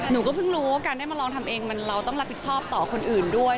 หนูก็เพิ่งรู้ว่าการได้มาลองทำเองเราต้องรับผิดชอบต่อคนอื่นด้วย